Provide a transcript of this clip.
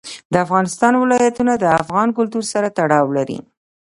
د افغانستان ولايتونه د افغان کلتور سره تړاو لري.